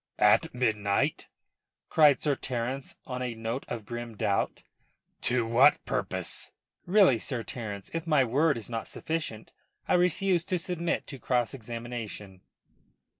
"At midnight?" cried Sir Terence on a note of grim doubt. "To what purpose?" "Really, Sir Terence, if my word is not sufficient, I refuse to submit to cross examination."